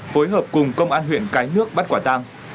phối hợp cùng công an huyện cái nước bắt quả tang